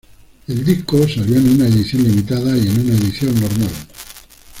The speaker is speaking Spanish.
El disco salió en una edición limitada y en una edición normal.